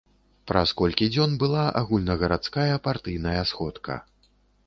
Праз колькі дзён была агульнагарадская партыйная сходка.